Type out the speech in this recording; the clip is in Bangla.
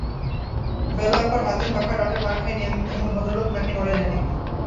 বেলা আপার হাতের পাখার ডাঁটের মার খায়নি এমন ভদ্রলোক নাকি নড়াইলে নেই।